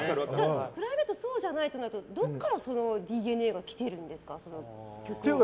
プライベートはそうじゃないとなるとどこからＤＮＡが来ているんですか？